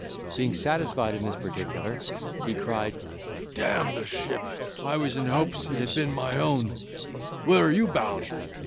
Being satisfied in this particular, he cried, "D—n the ship, I was in hopes it had been my own—where are you bound?"